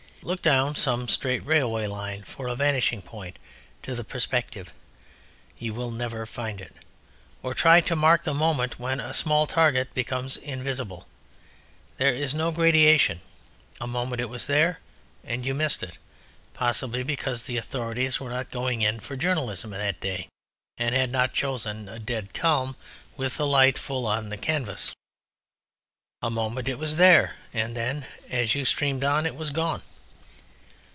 Look down some straight railway line for a vanishing point to the perspective: you will never find it. Or try to mark the moment when a small target becomes invisible. There is no gradation; a moment it was there, and you missed it possibly because the Authorities were not going in for journalism that day, and had not chosen a dead calm with the light full on the canvas. A moment it was there and then, as you steamed on, it was gone.